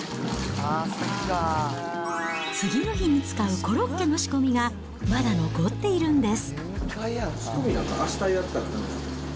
次の日に使うコロッケの仕込みがまだ残っているんです。